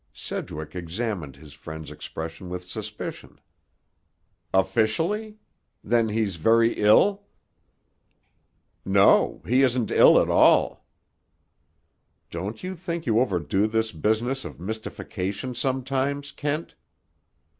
Sedgwick examined his friend's expression with suspicion. "Officially? Then he's very ill." "No, he isn't ill at all." "Don't you think you overdo this business of mystification sometimes, Kent?"